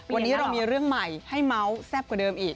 วันนี้เรามีเรื่องใหม่ให้เมาส์แซ่บกว่าเดิมอีก